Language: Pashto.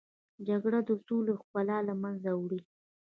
جګړه د سولې ښکلا له منځه وړي